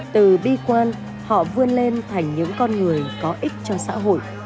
từ bi quan họ vươn lên thành những con người có ích cho xã hội